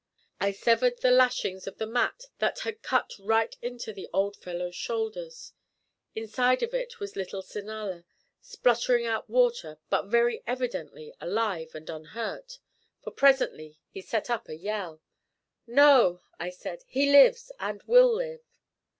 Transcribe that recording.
I severed the lashings of the mat that had cut right into the old fellow's shoulders. Inside of it was little Sinala, spluttering out water, but very evidently alive and unhurt, for presently he set up a yell. "No," I said, "he lives, and will live."